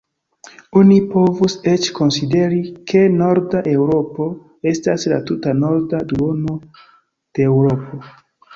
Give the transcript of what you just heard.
Oni povus eĉ konsideri, ke norda Eŭropo estas la tuta norda duono de Eŭropo.